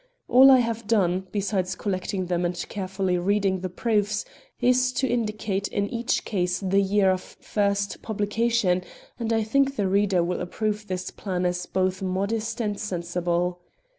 All I have done, besides collecting them and carefully reading the proofs, is to indicate in each case the year of first publication; and I think the reader will approve this plan as both modest and sensible.